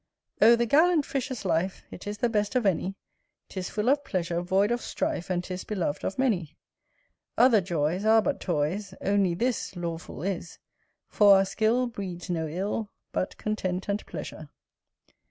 O the gallant Fisher's life, It is the best of any; 'Tis full of pleasure, void of strife, And 'tis beloved of many: Other joys Are but toys; Only this Lawful is; For our skill Breeds no ill, But content and pleasure.